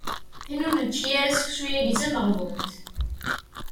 Tin ur nečči ara seksu-yagi d tameɣbunt.